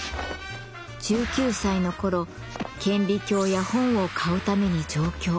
１９歳の頃顕微鏡や本を買うために上京。